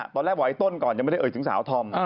ตอนแรกไว้ต้นก่อนยังไม่ได้เอ่ยถึงสาวธอม